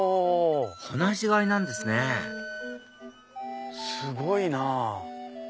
放し飼いなんですねすごいな。